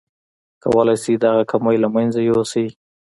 کولای شئ دغه کمی له منځه يوسئ.